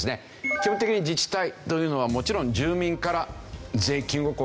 基本的に自治体というのはもちろん住民から税金を集めるわけですね。